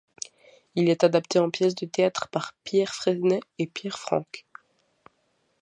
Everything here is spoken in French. Il est adapté en pièce de théâtre par Pierre Fresnay et Pierre Franck.